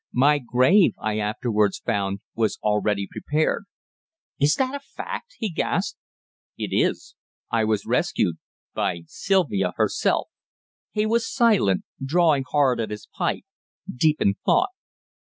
My grave, I afterwards found, was already prepared." "Is this a fact!" he gasped. "It is. I was rescued by Sylvia herself." He was silent, drawing hard at his pipe, deep in thought.